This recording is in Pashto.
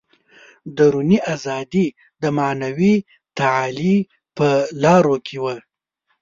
دروني ازادي د معنوي تعالي په لارو کې وه.